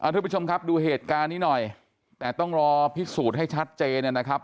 ทุกผู้ชมครับดูเหตุการณ์นี้หน่อยแต่ต้องรอพิสูจน์ให้ชัดเจนนะครับ